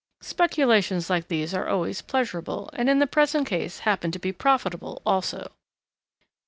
Speculations like these are always pleasurable, and in the present case happen to be profitable also.